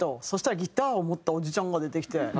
そしたらギターを持ったおじちゃんが出てきて。